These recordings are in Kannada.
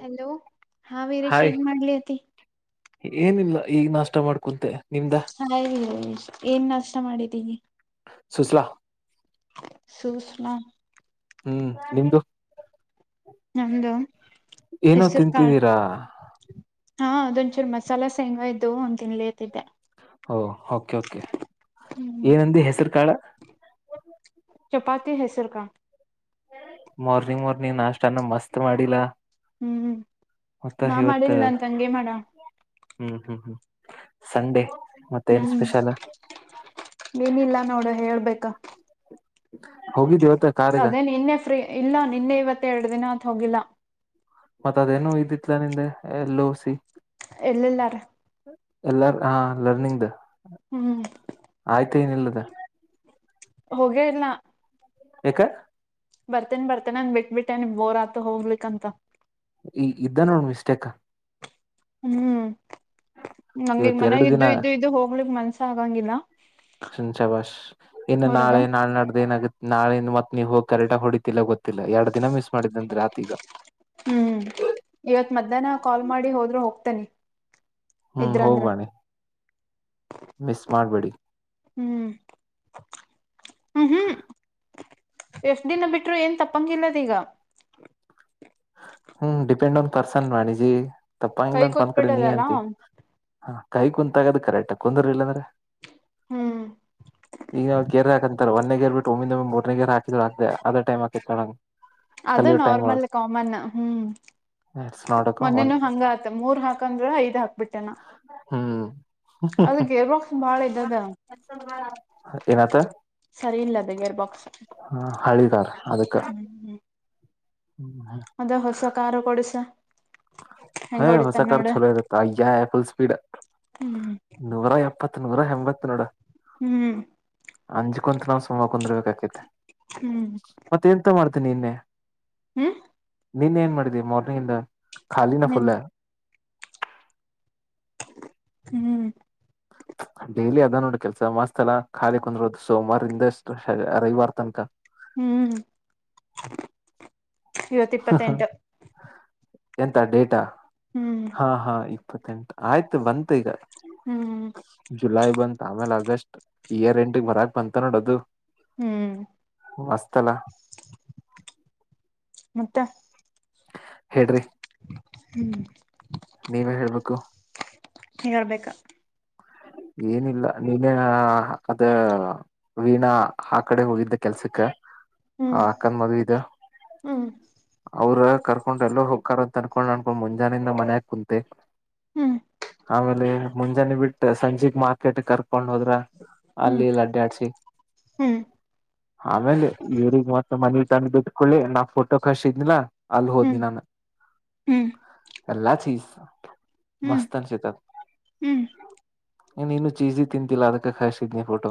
ಹಲೋ ಹಾ ವೀರ ಹಾಯ್ ಶೈನ ಮಾಡಲಿತಿ ಏನಿಲ್ಲ ಈಗ ನಾಷ್ಟ ಮಾಡ್ಕ ಹ ಏನ್ ನಷ್ಟ ಮಾಡಿದ್ದೀಿ ಸೂಚಲ ಸೂಷ್ಮ ಹ್ಮ್ ನಿಮ್ದು ನಮ್ದು ಏನೋ ಹೆಸರು ಕಾಳು ತಿಂತಿದ್ದೀರಾ ಹಾ ಅದೊಂದ್ಚೂರ್ ಮಸಾಲ ಸೇಂಗ ಇದ್ದು ಒಂದ ತಿನ್ಲೇತಿದ್ದೆ ಓ ಕೆ ಕೆ ಹ್ಮ್ ಏನಂದ ಹೆಸರು ಕಾಳ ಚಪಾತಿ ಹ ಸರ್ಕಾ ಮಾರ್ನಿಂಗ್ ಮಾರ್ನಿಂಗ್ ನಾಷ್ಟಾನ ಮಸ್ತ್ ಮಾಡಿಲ್ಲ ಹ್ಮ್ ಮತ್ತ ನಾ ಇವತ್ ಮಾಡಿಲ್ಲ ಅಂತ ಹಂಗಗೆ ಮಾಡ ಹ್ಮ್ ಹ್ಮ್ ಹ್ಮ್ ಸಂಡೆ ಮತ್ತೆ ಏನ್ ಹ್ಮ್ ಸ್ಪೆಷಲ್ ಏನಿಲ್ಲ ನೋಡು ಹೇಳ್ಬೇಕು ಹೋಗಿದ್ ಇವತ್ತ ಕಾರಾರ್ಗ ಅದೇ ನಿನ್ನೆ ಫ್ರೀ ಇಲ್ಲ ನಿನ್ನೆ ಇವತ್ತು ಎರಡು ದಿನ ಆತ್ ಹೋಗಿಲ್ಲ ಮತ್ತತ್ ಅದೇನು ಇದಿತ್ಲಾ ನಿಂದೆ ಎ ಲೋಸಿ ಎಲ್ಲಲ್ಲಾರ ಎಲ್ಲರ್ ಹಾ ಲರ್ನಿಂಗ್ ದ ಹ್ಮ್ ಮತ್ತ ಏನಿಲ್ಲದ ಹೋಗೇ ಇಲ್ಲ ಇ ಬರ್ತೇನ್ ಬರ್ತೇನೆ ಅಂದ ಬಿಟ್ಟಬಿಟ್ಟೇನೆ ೋರ್ ಆತ ಹೋಗ್ಲಿಕ್ಂತ ಈ ಇದ್ದ ನೋಡ ಮಿಸ್ಟೇಕ ಹ್ಮ್ ನಂಗಿಗ್ ಇವತ್ ಮನಾಗ ಎರಡು ಇದ್ದು ದಿನ ಇದ್ದು ಇದು ಹೋಗ್ಲಿಕ್ ಮನ್ಸ ಆಗಂಗಿಲ್ಲ ಸುಂಚ ಬಾಸ್ ಇನ್ನು ಹೊರಗ ನಾಳೆ ನಾಳೆ ನಡ್ದ ಏನಾಗುತ್ತೆ ನಾಳೆಿಂದ ಮತ್ತತ್ ನೀವವು ಹೋಗಿ ಕರೆಕ್ಟಗ ಹೊಡಿತತಿ ಇಲ್ಲ ಗೊತ್ತಿಲ್ಲ ಎರ ದಿನ ಮಿಸ್ ಮಾಡಿದ್ದ ಅ್ರೆ ಆತೀಗ ಹ್ಮ್ ಇವತ್ ಮಧ್ಯಾಹ್ನ ಕಾಲ್ ಮಾಡಿ ಹೋದ್ರು ಹೋಗ್ತನಿ ಹ್ಮ್ ಹೋಗ್ಬಣಿ ಮಿಸ್ ಮಾಡ್ಬೇಡಿ ಹ್ಮ್ ಹ್ಮ್ ಹ್ಮ್ ಎಫ್ಡಿನ ಬಿಟ್ರು ಏನ್ ತಪ್ಪಂಗಿಲ್ಲದೀಗ ಹ್ಮ್ ಡಿಪೆಂಡ್ ನ್ ಪರ್ಸನ್ ವಾಣಿಜಿ ಕೈ ತಪ್ಪಂಗಿಲ್ಲ ಅಂತ ಒಂದ್ ಕಡೆ ನೀ ಕೂತ್ಬಿಟ್ಟದಲ್ಲ ಅಂತಿ ಹ ಕೈ ಕುಂತಾಗದು ಕರೆಕ್ಟ್ ಕುಂದರ್ಿಲ್ಲ ಅಂದ್ರೆ ಹ್ಮ್ ಈಗ ನ ಕೇರ್ ಹಾಕಂತಾರ ಒಂದ ಗರ್ ಬಿಟ್ಟ ಒಮ್ಮ ಮೂರ್ನೇ ಹಕಿದ್ರ ಅದ ೈಮ ಹಾಕ ಕ ಅದು normal common hmm it's not a common ಮೊನ್ನೆನು ಹಂಗ ಆತ ಮೂರ್ ಹಾಕಂದ್ರ ಐದ್ ಹಾಕ್ಬಿಟ್ಟೇನಾ ಹ್ಮ್ ಬಾಳ ಇದದ ಏನು ಆಯಿತು ಸರಿ ಇಲ್ಲ ಅದ ಗೇರ್ ಬಾಕ್ಸ್ ಹ್ಮ್ ಹ್ಮ್ ಹ್ಮ್ ಅದ ಹೊಸ ಕಾರು ಕೊಡಸ ಹ ಹೆಂಗ ಹೊಡಿತನ್ ಹೊಸಕಾರ ನೋಡ ಚಲೋಯ ುಲ್ ಸ್ಪೀಡ್ ಹ್ಮ್ ನೂರ ಎಪ್ಪತ್ತು ಹ ನೂರ ಎಂಬತ್ತ ನೂಡ ಹ್ಮ್ ಅಂಜಕೊಂತ ನಾವ್ ಸುಮ್ಮ ಕುಂದರ್ಬೇಕಕೈತೆ ಹ್ಮ್ ಮತ್ತ ಎಂತ ಮಾಡ್ತೇನಿ ನಿನ್ನೆ ಹ್ಮ್ ನಿನ್ ಏನ್ ಮಾಡಿದಿ ಮಾರ್ನಿಂಗ್ ಇಂದ ಖಾಲಿನೆ ಫುಲ್ ಹ್ಮ್ ಡೇಲಿ ಅದ ನೋಡಿ ಕೆಲ್ಸ ಮಾಸ್ತ್ ಎಲ್ಲಾ ಖಾಲಿ ಕುಂದ್ರೋದು ಸೋಮವಾರಿಂದ ಅಷ್ಟು ರವಿವಾರ ತನಕ ಹ್ಮ್ ಇವತ್ತ ಇಪ್ಪತ್ತೆಂಟು ಎಂತ ಡೇಟಾ ಹ್ಮ್ ಹಾ ಹಾ ಇಪ್ಪತ್ತೆಂಟು ಆಯ್ತು ಬಂತು ಈಗ ಹ್ಮ್ ಜುಲೈ ಬಂತ ಆಮೇಲೆ ಆಗಸ್ಟ್ ಇಯರ್ ಎಂಡ್ ಬರಕ್ ಬಂತ ನೋಡ ಅದು ಹ್ಮ್ ಮಸ್ತ್ ಅಲ್ಲ ಮತ್ತೆ ಹೇಳ್ರಿ ಹ್ಮ್ ನೀವೇ ಹೇಳ್ಬೇಕು ಹೇಳಬೇಕು ಏನಿಲ್ಲ ನೀನ ಅದ ವೀಣಾ ಆ ಕಡೆ ಹೋಗಿದ್ದ ಕೆಲ್ಸಕ್ಕ ಹ್ಮ್ ಆ ಅಕ್ಕನ ಮದುವೆ ಇದೆ ಹ್ಮ್ ಅವರ ಕರ್ಕೊಂಡು ಎಲ್ಲೋ ಹೋಗಕ್ಕಾರದ ಅನ್ಕೊಂಡ್ ಅನ್ಕೊಂಡ್ ಮುಂಜಾನೆಂದ ಮನ್ಯಾಗ ಕುಂತೆ ಹ್ಮ್ ಆಮೇಲೆ ಮುಂಜಾನೆ ಬಿಟ್ಟ ಸಂಜೆ ಮಾರ್ಕೆಟ್ ಕಾರ್ ಕಕೊಂಡ್ ಹೋದ್ರ ಹ್ಮ್ ಅಲ್ಲಿಲ್ಲಿ ಅಡ್ಡ ಆಡ್ಸಿ ಹ್ಮ್ ಆಮೇಲೆ ಇವ್ರಗ್ ಮತ್ತತ್ ಮನ ತಂದು ಬಿಟ್ಕೊಳ್ಳಿ ನಾವ ಫೋಟೋ ಕಸಿದ್ಲ ಅಲ್ ಹೋದನಿ ಹ್ಮ್ ನಾನು ಹ್ಮ್ ಎಲ್ಲ ಚೀಸ್ ಹ್ಮ್ ಮಸ್ತ ಅನಿಸ್ತಾ ಹ್ಮ್ ಇನ್ ಇನು ಚೀಸಿ ತಿಂದಿಲ್ಲಾ ಅದಕ್ಕೆ ಕಸಿದ್ನಿ ಫೋಟೋ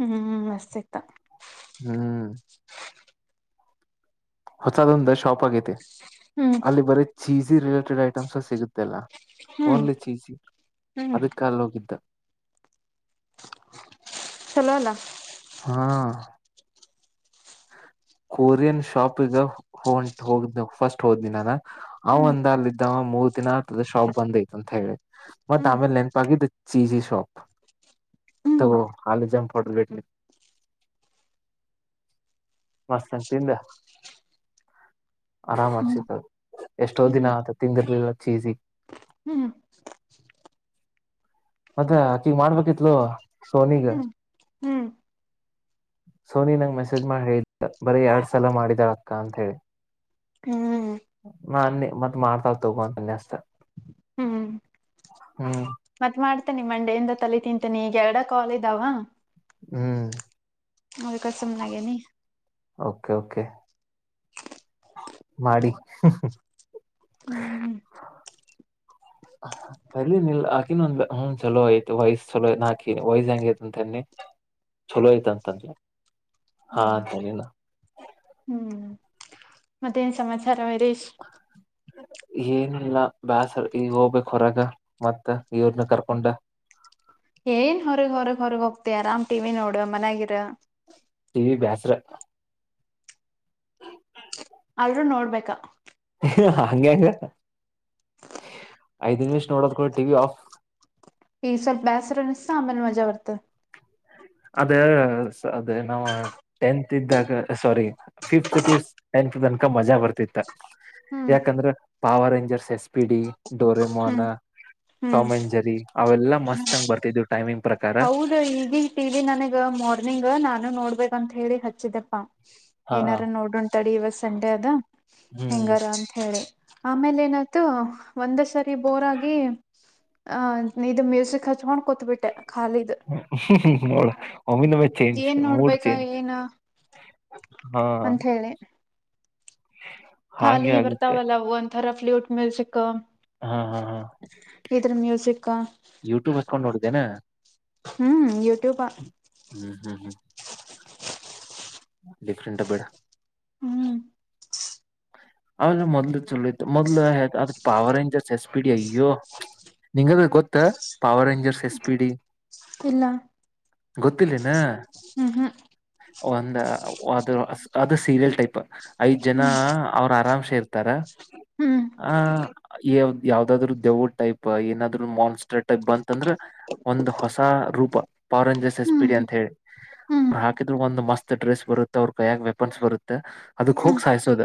ಹ್ಮ್ ಮಸ್ತಿತ್ತು ಹ್ಮ್ ಹೊಸದೊಂದ ಶಾಪ್ ಆಗೈತೆ ಹ್ಮ್ ಅಲ್ಲಿ ಬರೀ ಚೀಸ್ ಚಿಸ್ ರಿಲೇಟೆಡ್ ಐಟಂಹೇ ಸಿಕ್ತದೆ ಎಲ್ಲಾ ಹ್ಮ್ ಓನ್ಲಿ ಚೀಸಿ ಹ್ಮ್ ಅಲ್ಲಿ ಹೋಗಿದ್ದ ಚಲೋ ಅಲ್ಲ ಹಾ ಕೊರಿಯನ್ ಶಾಪ್ ಈಗ ಹೊಂಟ ಹೋಗ ಫಸ್ಟ್ ಹೋದನಿ ನಾನ ಅವ ಹ್ಮ್ ಒಂದ್ ಅಲ್ಲಿ ಇದಿದ್ದವ ಮೂರ್ ದಿನ ಶಾಪ್ ಬಂದ್ ಅಂತ ಹೇಳಿದ ಮತ್ತ ಹ್ಮ್ ಆಮೇಲೆ ನೆನಪು ಆಗಿದ್ದು ಚೀಜಿ ಶಾಪ್ ಹ್ಮ್ ಮತ್ತೆ ಅಲ್ಲಿ ಜಂಪ್ ಹೊಡೆದ [inaudible] ಮಾಸ್ತಗಿ ತಿಂದು ಆರಾಮ ಹ್ಮ್ ಆಗ್ಸತ ಎಷ್ಟೋ ದಿನ ಹ್ಮ್ ಆತ ತಿಂದಿರ್ಲಿಲ್ಲ ಚೀಸಿಗೆ ಹ್ಮ್ ಮತ್ತ ಆಕಿಗ್ ಮಾಡ್ಬೇಕಿತ್ಲು ಸೋನಿಗ ಹ್ಮ್ ಹ್ಮ್ ಸೋನಿ ನಂಗ ಮೆಸೇಜ್ ಮಾಡಿ ಹೇಳಿದ್ದ ಬರೀ ಎರಡ್ ಸಲ ಮಾಡಿದಾಳ ಅಕ್ಕ ಅಂತ ಹೇಳಿ ಹ್ಮ್ ನಾನೆ ಮತ್ ಮಾಡ್ತಾರೇ ತಗೋ ಅಂದೇ ಅಷ್ಟೇ ಮತ್ತ್ ಮಾಡ್ತನಿ ಮಂಡೇಯಿಂದ ತಲೆ ತಿಂತನಿ ಈಗ ಎರಡ ಕಾಲ್ ಇದಾವ ಹ್ಮ್ ಅದಕ್ಕ ಸುಮ್ನಾಗೇನಿ ಓಕೆ ಓಕೆ ಮಾಡಿ ಹ್ಮ್ ತಲ್ಲಿ ನಿಲ್ ಆಕಿನ ಒಂದ್ ಹ್ಮ ಚಲೋ ಆಯ್ತು ವಯ್ಸ್ ಚಲೋ ವಯ್ಸ್ ಹೆಂಗಯ್ತಂತನ್ನಿ ಚಲೋ ಇದಂತ ಹ್ಮ್ ಹ್ಮ್ ಮತ್ತೇನ್ ಸಮಾಚಾರ [unintelligible] ಏನಿಲ್ಲ ಬ್ಯಾಸರ್ ಈಗ ಹೋಗ್ಬೇಕ ಹೊರಗ ಮತ್ತ ಇವ್ರನ್ನ ಕರ್ಕೊಂಡ ಏನ್ ಹೊರಗ್ ಹೊರಗ್ ಹೊರಗ್ ಹೋಗ್ತಿ ಆರಾಮ್ ಟಿವಿ ನೋಡು ಮನ್ಯಯಾಗ ಇರು ಟಿ ವಿ ಬ್ಯಾಸರ ಆದ್ರು ನೋಡಬೇಕಾ ಹಂಗೆ ಐದ್ ನಿಮಿಷ ನೋಡೋಕು ಟಿವಿ ಆಫ್ ಈ ಸಲ್ ಬಸರ ನಿಸಾಮೇಲೆ ಮಜಾ ಆರ್ತ ಅದ ಅದ ನಾ ಟತ್ ಇದ್ದಾಗ ಸಾರಿ ಫಫತ್ ಟ ತನಕ ಮಜಾ ಬರ್ತಿತ್ತ ಹ್ಮ್ ಯಾಕಂದ್ರೆ power Rangers S P D ಡೋರೆ ಮೊಹನ ಹ್ಮ್ ಹ್ಮ್ ಟಾಮ್ ಎಂಜರಿ ಅವೆಲ್ಲ ಮಸ್ತ್ಂಗ ಬರ್ತಿದ್ವು ಟೈಮಿಂಗ್ ಪ್ರಕಾರ ಹೌದ ಈಗಟಲಿ ನನಗ ಮಾರ್ನಿಂಗ್ ನಾನು ನೋಡ್ಬೇಕಂತ ಹೇಳಿ ಹಚ್ಚಿದಪ್ಪಾ ಹಾ ಏನಾರ ನೋಡ್ ಉಂತಾಡಿ ಇವಾಗ ಸಂಡೆ ಅದ ಹ್ಮ್ ಹೆಂಗಾರ ಅಂತ ಹೇಳಿ ಆಮೇಲೆ ಏನಾಯ್ತು ಒಂದ ಸರಿ ಬೋರ್ ಆಗಿ ಅಹ ಇ ಮ್ಯೂಸಿಕ್ ಹಚ್ಕೊಂಡ್ ಕತ್ಬಿಟ್ಟೆ ಹ ಹ್ಮ್ ಹ್ಮ್ ನೋಳ ಒಮಿನಮ ಚೇಂಜ ಏನ್ ಮೂಡ್ ನೋಡ್ಬೇಕಾ ಚೇಂಜ ಏನ ಹಾ ಅಂತ ಹೇಳಿ ಹಾಗೆ ಖಾಲಿ ಆಗುತ್ತೆ ಬರ್ತಾವಲ್ಲ ಒಂದಥರ ಫ್ಲಯೂಟ್ ಮ್ಯಲ್ಸಿಕ್ ಹಾ ಹಾ ಹಾ ಮ್ಯೂಸಿಕ್ ಯೂಟ್ಯೂಬ್ ಹಸ್ಕೊಂಡ್ ನೋಡಿದ್ದೇನಾ ಹ್ಮ್ ಇವತ್ತು ಹ್ಮ್ ಹ್ಮ್ ಹ್ಮ್ ಕ್ಕ್ರಂಟ ಬೇಡ ಹ್ಮ್ ಅವಲ್ಲ ಮೊದ್ಲು ಚಲ ಇತ್ತು ಮೊದ್ಲು ಅದ ಪಾವರ್ ಇಂಜಸ್ ಎಸ್ಪೀಡ್ ಅಯ್ಯೋ ನಿಂಗದ್ರೆ ಗೊತ್ತ power rangers S P D ಇಲ್ಲ ಗೊತ್ತಿಲ್ಲಿನ ಹ್ಮ್ ಹ್ಮ್ ಒಂದ ಅದು ಅದು ಸೀರಿಯಲ್ ಟೈಪ್ ಐದ್ ಜನ ಅವ್ರ ಆರಾಮ್ಸೆ ಇರ್ತಾರ ಆ ಯ ಯಾವ್ದಾದ್ರು ದೆವು ಟೈಪ್ ಏನಾದ್ರು ಮಾನ್ಸ್ಟರ್ ಟೈಪ್ ಬಂತಂದ್ರ ಒಂದ್ ಹೊಸ ರೂಪ ಪಾರಂಜರ್ಸ್ ಎಸ್ ಪಿಡಿ ಹ್ಮ್ ಅಂತ ಹೇಳಿ ಹ್ಮ್ ಅವರು ಹಾಕಿದ್ರು ಒಂದು ಮಸ್ತ್ ಡ್ರೆಸ್ ಬರುತ್ತೆ ಅವ್ರ ಕೈಯ ವೆಪನ್ಸ್ ಬರುತ್ತೆ ಅದಕ್ ಹೋಗಿ ಸಾಯಿಸೋದ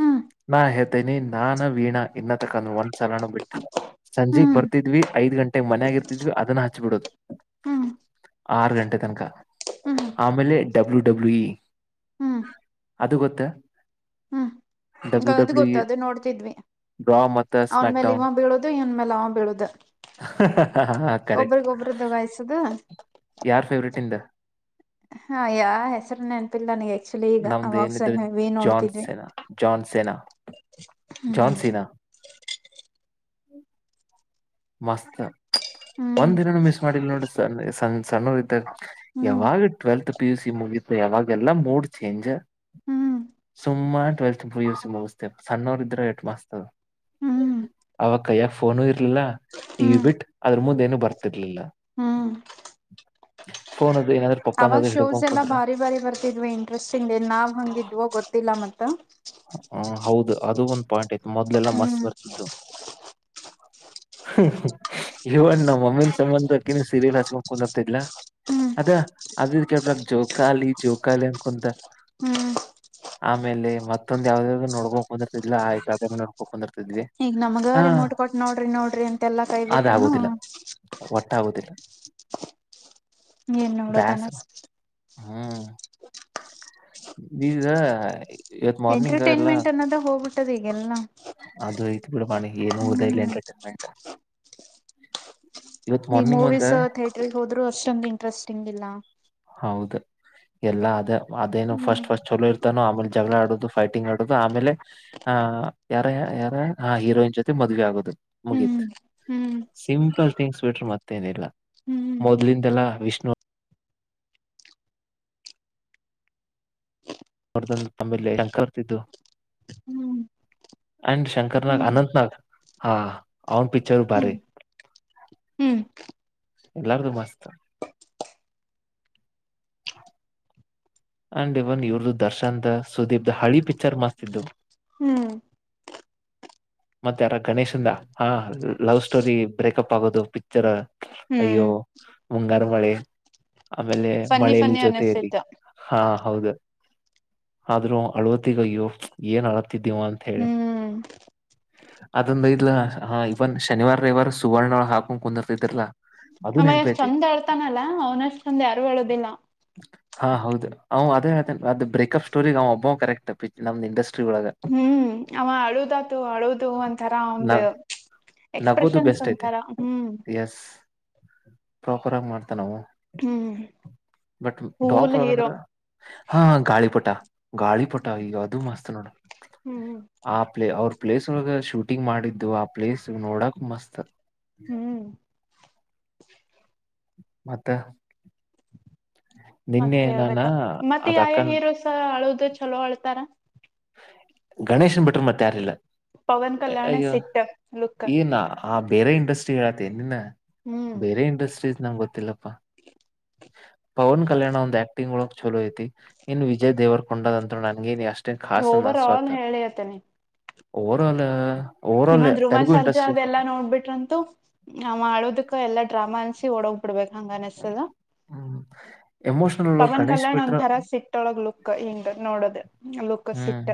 ಹ್ಮ ನಾ ಹೇಳ್ತೇನಿ ನಾನ ವೀಣ ಇನ್ನ ತಕಾನ ಒಂದ್ ಸಲಾನ ಬಿಟ್ಟಿಲ್ಲ ಸಂಜೆಗ್ ಹ್ಮ್ ಬರ್ತಿದ್ವಿ ಐದ್ ಗಂಟೆಗೆ ಮನ್ ಆಗರ್ತಿದ್ವಿ ಅದನ್ನ ಹಚ್ಬಿಡೋದು ಹ್ಮ್ ಆರು ಗಂಟೆ ತನಕ ಹ್ಮ್ ಆಮೇಲೆ ಡಬ್ಲ್ಯೂ ಡಬ್ಲ್ಯೂಇ ಹ್ಮ್ ಅದು ಗೊತ್ತ ಹ್ಮ್ ಡಬ್ಲ್ಯೂ ಅದು ಡಬ್ಲ್ಯೂ ಗೊತ್ತ ಇ ಅದು ನೋಡ್ತಿದ್ವಿ ಡ್ರಾ ಮತ್ತ ಅವನ್ ಸ್ಮ್ಯಾಕ್ ಮೇಲೆ ಡೌನ್ ಇವ ಬೀಳುದು ಇವನ್ ಮೇಲೆ ಅವ ಬೀಳುದ ಒಬರಿ ಕರೆಕ್ಟ್ ಗೊಬರದ್ದಗಾಯ್ಸದ ಯಾರ್ ಫೇವ್ರೇಟ್ ಇಂದ [inaudible] ಹಾ ಯಾವ ಹೆಸರನ್ನ ನೆಪಿಲ್ಲ ನನಗೆ ಆಕ್ಚುಲಿ ಈಗ ನಮ್ದ ಏನಿದ್ರು ಅವಾಗ ವೀ ನೋಡ್ತಿದ್ವಿ ಜನ್ಸಿನ ಹ್ಮ್ ಮಸ್ತ್ ಹ್ಮ್ ಒಂದ್ ದಿನನು ಮಿಸ್ ಮಾಡಲ್ ನೋಡ ಸ ಸಣ್ಣ ಸಣ್ಣರ್ ಇದ್ದಾಗ ಹ್ಮ್ ಯಾವಾಗ ಟ್ವೆಲ್ತ್ ಪಿ ಯು ಸಿ ಮುಗತ್ತು ಯಾವಾಗ ಎಲ್ಲಾ ಮೂಡ್ ಚೇಂಜ್ ಹ್ಮ್ ಸುಮ್ಮ ಟ್ವೆಲ್ತ್ ಸಸ್ತೇ ಸಣ್ಣವರ್ ಇದ್ರೆ ಎಷ್ಟು ಮಾಸ್ತ್ ಹ್ಮ್ ಅವ ಕೈಯ್ಯ ಫೋನು ಇರ್ಲಿಲ್ಲ ಟಿವಿ ಹ್ಮ್ ಬಿಟ್ ಅದ್ರ ಮುಂದೆ ಏನು ಬರ್ತಿರ್ಲಿಲ್ಲ ಹ್ಮ್ ಫೋನ್ ಅದು ಏನಾದ್ರೂ ಅವಾಗ ಪಪ್ಪನದು ಶೋಸ್ ಹಿಡ್ಕೊಂಡ್ ಎಲ್ಲಾ ಕುಂದ್ರ ಬಾರಿ ಬಾರಿ ಬರ್ತಿದ್ವಿ ಇಂಟ್ರೆಸ್ಟಿಂಗ್ ನಾವ್ ಹಂಗಿದ್ವೋ ಗೊತ್ತಿಲ್ಲ ಮತ್ತ ಹ ಹೌದು ಅದು ಒಂದ್ ಪಾಯಿಂಟ್ ಆಯ್ತು ಮೊದ್ಲೆಲ್ಲಾ ಮಸ್ತ್ ಬರ್ತಿದ್ದು ಹ ಇವಣ ನಮ್ಮ ಮಮ್ಮಿನ್ ಸಂಬಂಧ ಅಕ್ಕಿನ ಸೀರಿಯಲ್ ಹಚ್ಬೇಕ ಕುಂದ್ ಆ್ತಿದ್ಲಾ ಹ್ಮ್ ಅದ ಅದ ಕಬ್ರ ಜೋಕಾಲಿ ಜೋಕಾಲಿ ಅನ್ಕೊಂತ ಹ್ಮ್ ಆಮೇಲೆ ಮತ್ತೊಂದ್ ಯಾವ್ದದಾದ್ರು ನೋಡ್ಕೋಕ್ ಬಂದಿರ್ತಿಲ್ಲ ಆಯ್ಕ ನೋಡ್ಕೋ ಬಂದಿರ್ ಈಗ್ ನಮಗ ರಿಮೋಟ್ ಕೊಟ್ ನೋಡ್ರಿ ನೋಡ್ರಿ ಅಂತೆಲ್ಲಾ ಕೈ ಬಿಟರುೂನು ತ್ತಗುದಿಲ್ಲ ಏನ್ ನೋಡೋದನ ಹ್ಮ್ ಬ ಎಂಟರ್ಟೈನ್ಮೆಂಟ್ ಅನ್ನೋದ ಹೋಗ್ಬಿಟ್ಟದ ಈಗೆಲ್ಲ ಏನುದ ಎಂಟರ್ಟೈನ್ಮೆಂಟ್ ಇವತ್ ಈ ಮಾರ್ನಿಂಗ್ ಒಂದ ಮೂವೀಸ್ ಥೇಟರ್ ಹೋದ್ರು ಅಷ್ಟೊಂದು ಇಂಟ್ರೆಸ್ಟಿಂಗ್ ಇಲ್ಲ ಎಲ್ಲ ಅದೇ ಅದೇನು ಫಸ್ಟ್ ಹ್ಮ್ ಫಸ್ಟ್ ಚಲೋ ಇರ್ತಾನೋ ಆಮೇಲೆ ಜಗಳ ಆಡೋುದು ಫೈಟಿಂಗ್ ಆಡೋದು ಆಮೇಲೆ ಆಹ ಯಾರ ಯಾರ ಆ ಹೀರೋಯಿನ್ ಜೊತೆ ಮದ್ೆ ಆಗೋದು ಹ್ಮ್ ಮುಗೀತ್ ಹ್ಮ್ ಸಿಂಪಲ್ ಥಿಂಗ್ ಸ್ವೆಟರ್ ಮತ್ತೇನಿಲ್ಲ ಹ್ಮ್ ಮೊದ್ಲಿಂದೆಲ್ಲಾ ವಿಷ್ಣು ಅವರ್ದನ್ನು ತಂಬಲೆ ಅಂಕರ್ತಿದ್ದು ಹ್ಮ್ ಅಂಡ ಶಂಕರ ನಾಗ ಹ್ಮ್ ಅನಂತ ನಾಗ ಹಾ ಅವನ್ ಪಿಚರ್ ಭಾರಿ ಹ್ಮ್ [unintelligible] ಎಲ್ಲಾರ್ಗು ಮಸ್ತ್ ಅಂಡ್ ಇವನ್ ಇವ್ರ್ದ ದರ್ಶನ್ ಸುದೀಪ್ ದ ಹಳಿ ಪಿಕ್ಚರ್ ಮಸ್ತಿದ್ದು ಹ್ಮ ಮತ್ತೆ ಯಾರ ಗಣೇಶಿಂದ ಹಾ ಲವ್ ಸ್ಟೋರಿ ಬ್ರೇಕಪ್ ಆಗೋದು ಪಿಕ್ಚರ್ ಹ್ಮ್ ಅಯ್ಯೋ ಮುಂಗಾರು ಮಳೆ ಆಮೇಲೆ ಫನ್ನಿ ಮಳಲಿ ಫನ್ನಿ ಜೊತೆಯಲ್ಲಿ ಅನಿಸ್ತಿತ್ತು ಹಾ ಹೌದು ಆದ್ರೂ ಅಳ್ವತ್ತಗಯ್ಯೋ ಏನ್ ಅಳತ್ತಿದ್ದೀವ ಅಂತ ಹೇಳಿ ಹ್ಮ್ ಅದಂದ ಇಲ ಇವನ್ ಶನಿವಾರ ರವಿವಾರ ಸುವರ್ಣಳ ಹಾಕೊಂಡ ಕುಂದಿರ್ತಿದರ್ಲಾ ಅಷ್ಟ್ ಚಂದ ಅಳ್ತಾನಲ್ಲ ಅವ್ನಷ್ಟ ಚಂದ ಯಾರು ಅಳುದಿಲ್ಲ ಹಾ ಹೌದು ಅವ್ ಅದೇ ಅದೇ ಅದ ಬ್ರೇಕಪ್ ಸ್ಟೋರಿಗ್ ಅವ ಒಬ್ಬ್ ಕರೆಕ್ಟ್ ನಮ್ದ್ ಇಂಡಸ್ಟ್ರಿ ಒಳಗ ಹ್ಮ್ ಅವ ಅಳುದತು ಅಳೂದು ಒಂತರ ನ ಒ್ದೆ ನಗೋದು ಎಕ್ಸ್ಪ್ರೆಷನ್ಸ್ ಬೆಸ್ಟ್ ಐತೆ ಅಂತಾರ ಹ್ಮ್ ಎಸ್ ಪ್ರಾಪರ್ ಆಗಿ ಮಾಡ್ತಾ ನಾವು ಹ್ಮ್ ಬಟ್ ಬಡಾಪ್ ಫೂಲ್ ಹೀರೋ ಒಳಗಂದ್ರ ಹಾ ಗಾಳಿ ಪಟ ಗಾಳಿ ಪಟ ಆ ಈಗ ಅದು ಮಸ್ತ್ ನೋಡ ಹ್ಮ್ ಆಪ್ಲೆ ಅವರು ಪ್ಲೇಸ್ ಒಳ ಶೂಟಿಂಗ್ ಮಾಡಿದ್ದು ಆ ಪ್ಲೇಸ್ ನೋಡಕ್ ಮಸ್ತ್ ಹ್ಮ್ ಮತ್ತೆ ಮತ್ತೆ ಹೇಳ್ಬೇಕ ಮತ್ತೆ ಯ ಅದ್ ಯಾ ಅಕ್ಕನ್ ಹೀರೋಸ ಅಳುದ ಚಲೋ ಅಳ್ತಾರ ಗಣೇಶನ್ ಬಿಟ್ರ ಮತ್ತೆ ಯಾರಿಲ್ಲ ಪವನ್ ಕಲ್ಯಾಣ ಅಯ್ಯೋ ಸಿಟ್ಟ ಲುಕ್ ಏನ ಆ ಬೇರೆ ಇಂಡಸ್ಟ್ರಿ ಹೇಳತ್ತನಿನ ಹ್ಮ್ ಬೇರೆ ಇಂಡಸ್ಟ್ರೀಸ್ ನಂಗೆ ಗೊತ್ತಿಲ್ಲಪ್ಪಾ ಪವನ್ ಕಲ್ಯಾಣ ಒಂದ್ ಆಕ್ಟಿಂಗ್ ಒಳಗ್ ಚಲೋ ಐತಿ ಇನ್ ವಿಜಯ್ ದೇವರ್ ಕೊಂಡದಂತರು ನನ್ಗೇನಿ ಅಷ್ಟ ಓವರ್ ಆಲ್ ಹೇಳಿ ಅತನೆ ಓವರ ಆಲ್ ಓವರ್ ಆಲ್ ಇನ್ನೊಂದ್ ರುಮಾ ತೆಲುಗು ಸರ್ಜಾ ಇಂಡಸ್ಟ್ರೀಸ್ ಅದೆಲ್ಲಾ ನೋಡ್ಬಿಟ್ರಂತೂ ನ್ ಮಾಡೋದಕ್ಕ ಎಲ್ಲಾ ಡ್ರಾಮಾ ಅನ್ ಸಿ ಒಡೋಗ್ ಬಿಡ್ಬೇಕು ಹಂಗ ಅನಸ್ಸದ ಹ್ಮ್ ಎಮೋಷನಲ್ ಪವನ್ ಗಣೇಶ್ ಕಲ್ಯಾಣ್ ಬಿಟ್ರ ಒಂಥರ ಸಿಟ್ಟೊಳಗ್ ಲುಕ್ ಹಿಂಗ ನೋಡದ ಹ್ಮ್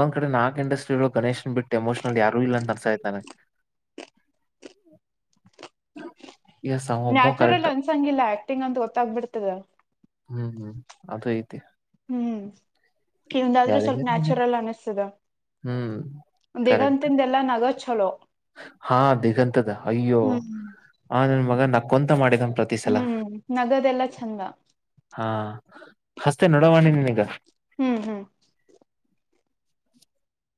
ಒಂದ್ ಕಡೆ ನಾಕ್ ಇಂಡಸ್ಟ್ರಿ ಗಣೇಶನ್ ಬಿಟ್ಟ ಎಮೋಷನಲ್ ಯಾರು ಇಲ್ಲ ಅಂತ ಅನಸಾ ಇದತಾನೆ ಹ್ಮ ನ್ಯಾಚುರಲ್ ಕರೆಕ್ಟ್ ಅನ್ಸಂಗಿಲ್ಲ ಆಕ್ಟಿಂಗ್ ಅಂತ ಗೊತ್ತಾಗಬಿಡ್ತದ ಹ್ಮ್ ಹ್ಮ್ ಅದ ಐತಿ ಹ್ಮ್ ಇಂದಾದ್ರೂ ಸ್ವಲ್ಪ ಯಾರಿಗಾರಿಗೇನೆ ನ್ಯಾಚುರಲ್ ಅನಿಸ್ತದ ಹ್ಮ್ ಕರೆಕ್ಟ್ ದೇಗಂತಿಂದ ಎಲ್ಲಾ ನಗ ಚಲೋ ಹಾ ದಿಗಂತದ ಅಯ್ಯೋ ಹ್ಮ್ ಆ ನನ್ ಮಗ ನಾ ಕೊಂತ ಮಾಡಿದ ಪ್ರತಿ ಸಲ ಹ್ಮ್ ನಗದೆಲ್ಲಾ ಚಂದ ಹಾ ಹಸ್ತೆ ನೋಡವಾಣಿ ನೀನ್ೀಗ ಹ್ಮ್ ಹ್ಮ್ [inaudible]